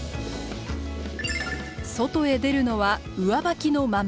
外へ出るのは上履きのまま。